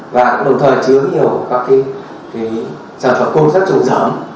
và đồng thời chứa rất nhiều các cái sản phẩm côn sắt trùng rẫm